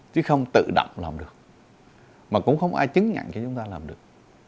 chứ không tự động làm được mà cũng không ai chứng nhận cho chúng ta làm được